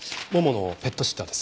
もものペットシッターです。